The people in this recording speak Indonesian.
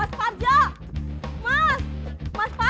kang ada apa